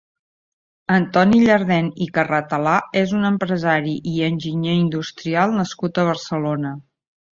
Antoni Llardén i Carratalà és un empresari i enginyer industrial nascut a Barcelona.